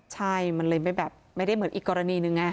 ใช่มันเลยแบบไม่ได้เหมือนอีกกรณีหนึ่งไง